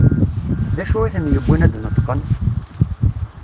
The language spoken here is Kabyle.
D acu i ten-yewwin ad d-neṭqen?